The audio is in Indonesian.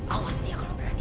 awas dia kalau berani